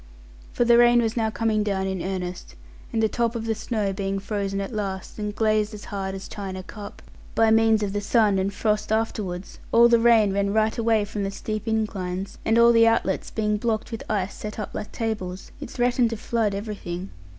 For the rain was now coming down in earnest; and the top of the snow being frozen at last, and glazed as hard as a china cup, by means of the sun and frost afterwards, all the rain ran right away from the steep inclines, and all the outlets being blocked with ice set up like tables, it threatened to flood everything.